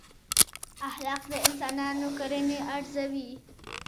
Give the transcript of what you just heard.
اخلاق د انسانانو کړنې ارزوي.